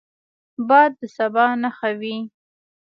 باد د سبا نښه وي